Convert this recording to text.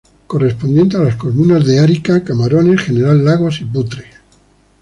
Correspondiente a las comunas de Arica, Camarones, General Lagos y Putre.